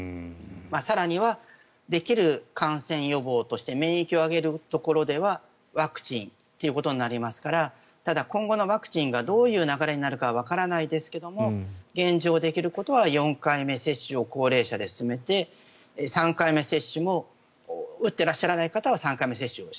更にはできる感染予防として免疫を上げるところではワクチンということになりますからただ、今後のワクチンがどういう流れになるかはわからないですけど現状、できることは４回目接種を高齢者で進めて３回目接種も打っていらっしゃらない方は３回目接種を。